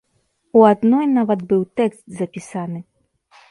У адной нават быў тэкст запісаны.